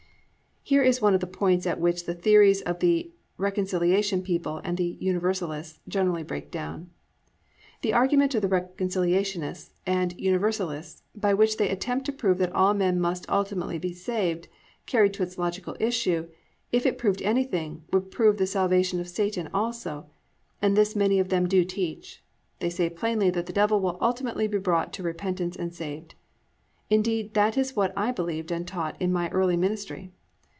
"+ Here is one of the points at which the theories of the "Reconciliation" people and "Universalists" generally break down. The argument of the Reconciliationists and Universalists, by which they attempt to prove that all men must ultimately be saved, carried to its logical issue, if it proved anything, would prove the salvation of Satan also, and this many of them do teach. They say plainly that the Devil will ultimately be brought to repentance and saved. Indeed that is what I believed and taught in my early ministry.